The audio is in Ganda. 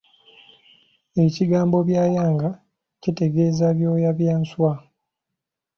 Ekigambo byayanga kitegeeza Byoya bya nswa.